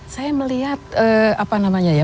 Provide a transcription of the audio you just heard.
saya melihat apa namanya ya